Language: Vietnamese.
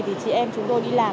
thì chị em chúng tôi đi làm